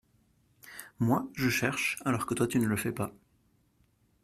Moi, je cherche alors que toi tu ne le fais pas.